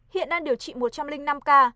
hiện đang điều trị một trăm linh năm ca